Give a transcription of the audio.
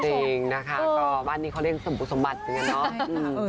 จริงนะคะก็บ้านนี้เขาเรียกสมปุสมบัติเหมือนกันเนาะ